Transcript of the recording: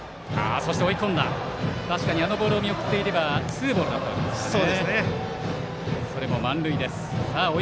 確かに、あのボールを見送っていればツーボールでしたね。